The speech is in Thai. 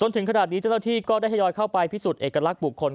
ถึงขนาดนี้เจ้าหน้าที่ก็ได้ทยอยเข้าไปพิสูจนเอกลักษณ์บุคคล